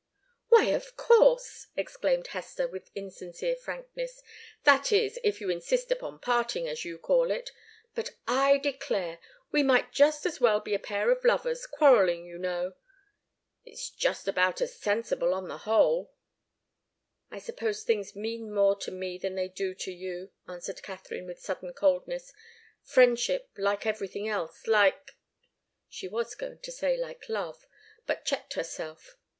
"Why, of course!" exclaimed Hester, with insincere frankness. "That is, if you insist upon parting, as you call it. But I declare! we might just as well be a pair of lovers quarrelling, you know. It's just about as sensible, on the whole." "I suppose things mean more to me than they do to you," answered Katharine, with sudden coldness. "Friendship like everything else like " She was going to say 'like love,' but checked herself.